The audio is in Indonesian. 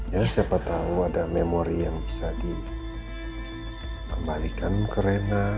ya siapa tahu ada memori yang bisa dikembalikan ke rena